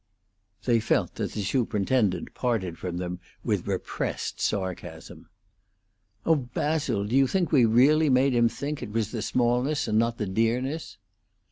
They felt that the superintendent parted from them with repressed sarcasm. "Oh, Basil, do you think we really made him think it was the smallness and not the dearness?"